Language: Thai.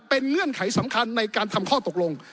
เป็นเงื่อนไขสำคัญในการทำข้อตกลง